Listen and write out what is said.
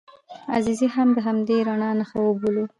عزیزي هم د همدې رڼا نښه وبولو.